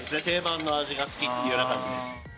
定番の味が好きっていうような感じです。